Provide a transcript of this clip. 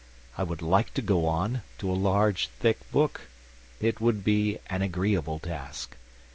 I would like to go on, to a large, thick book. It would be an agreeable task.